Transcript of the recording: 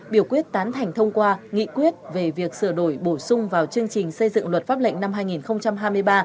biểu quyết tán thành thông qua nghị quyết về việc sửa đổi bổ sung vào chương trình xây dựng luật pháp lệnh năm hai nghìn hai mươi ba